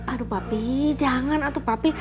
aduh papi jangan atuh papi